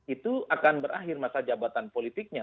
itu akan berakhir masa jabatan politiknya